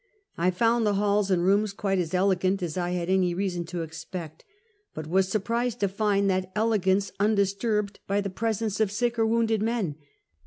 I found the halls and rooms quite as elegant as I had any rea son to expect, but was surprised to find that elegance undisturbed by the presence of sick or wounded men.